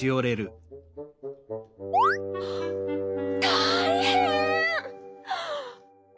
たいへん！